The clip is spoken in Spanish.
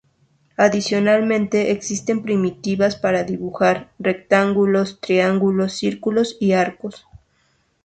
Adicionalmente existen primitivas para dibujar rectángulos, triángulos, círculos y arcos.